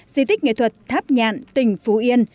di tích nghệ thuật tháp nhạn tỉnh phú yên